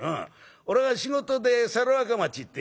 俺が仕事で猿若町行ってよ。